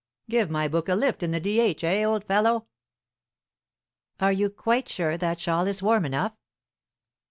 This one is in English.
"Give my book a lift in the D.H., eh, old fellow?" "Are you quite sure that shawl is warm enough?"